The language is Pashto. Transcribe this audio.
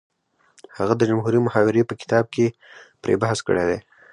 هغه د جمهوري محاورې په کتاب کې پرې بحث کړی دی